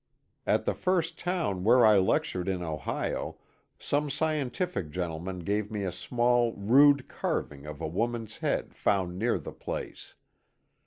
At the first town where I lectured in Ohio some scientific gentleman gave me a small rude carv ing of a woman's head found near the place.